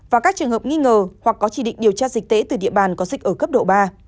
và các trường hợp nghi ngờ hoặc có chỉ định điều tra dịch tễ từ địa bàn có dịch ở cấp độ ba